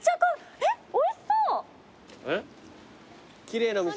えっおいしそう！